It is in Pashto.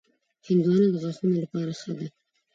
هندوانه د غاښونو لپاره ښه ده.